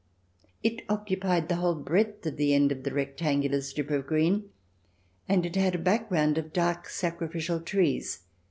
It occupied the whole breadth of the end of the rectangular strip of green, and it had a background of dark sacrificial trees.